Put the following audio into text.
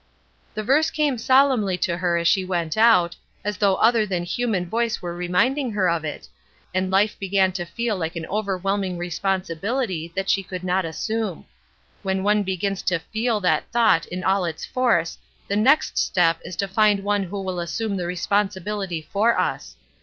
The verse came solemnly to her as she went out, as though other than human voice were reminding her of it, and life began to feel like an overwhelming responsibility that she could not assume. When one begins to feel that thought in all its force the next step is to find one who will assume the responsibility for us.